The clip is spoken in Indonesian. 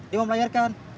dia mau melayarkan